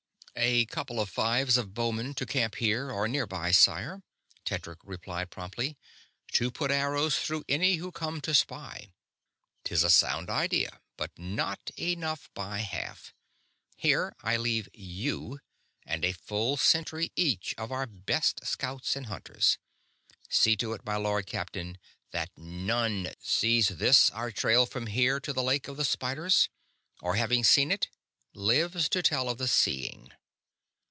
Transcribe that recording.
"A couple of fives of bowmen to camp here or nearby, sire," Tedric replied promptly, "to put arrows through any who come to spy." "'Tis a sound idea, but not enough by half. Here I leave you; and a full century each of our best scouts and hunters. See to it, my lord captain, that none sees this our trail from here to the Lake of the Spiders; or, having seen it, lives to tell of the seeing."